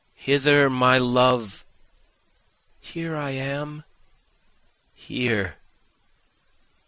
Hither my love! Here I am! here!